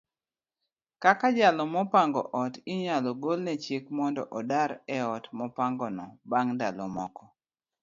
kaka jalo mopango ot inyalo golne chik mondo odar eot mopangono bang' ndalo moko.